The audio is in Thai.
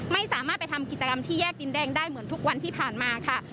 ไม่สามารถไปทำกิจกรรมที่แยกดินแดงได้เหมือนทุกวันที่ผ่านมาค่ะ